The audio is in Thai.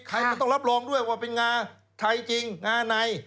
ก็ต้องรับรองด้วยว่าเป็นงาไทยจริงงาใน